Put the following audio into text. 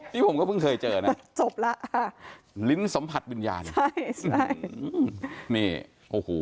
นี่ผมก็เพิ่งเคยเจอนะจบแล้วค่ะลิ้นสัมผัสวิญญาณใช่ใช่นี่โอ้โห